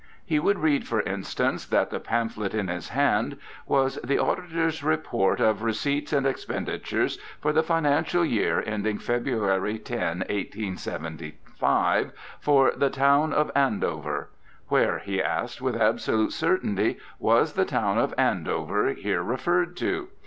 He would read, for instance, that the pamphlet in his hand was the "Auditor's Report of Receipts and Expenditures for the Financial Year Ending February 10, 1875, for the Town of Andover." Where, he asked, with absolute certainty, was the town of Andover here referred to?